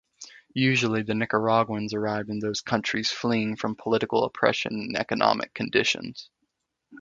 Usually the Nicaraguans arrived in those countries fleeing from political oppression and economic conditions.